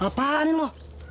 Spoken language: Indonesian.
apaan ini lu